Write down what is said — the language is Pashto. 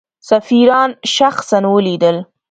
سفیران شخصا ولیدل.